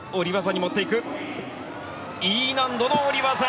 Ｅ難度の下り技！